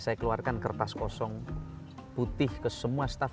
saya keluarkan kertas kosong putih ke semua staff